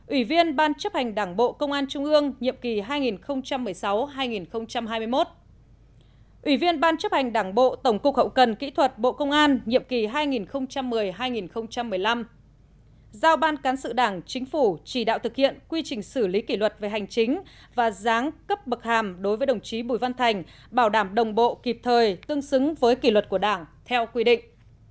bảy ủy viên ban chấp hành đảng bộ công an trung ương nhiệm kỳ hai nghìn một mươi sáu hai nghìn hai mươi một ủy viên ban chấp hành đảng bộ tổng cục hậu cần kỹ thuật bộ công an nhiệm kỳ hai nghìn một mươi hai nghìn một mươi năm giao ban cán sự đảng chính phủ chỉ đạo thực hiện quy trình xử lý kỷ luật về hành chính và giáng cấp bậc hàm đối với đồng chí bùi văn thành bảo đảm đồng bộ kịp thời tương xứng với kỷ luật của đảng theo quy định